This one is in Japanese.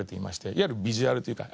いわゆるビジュアルというか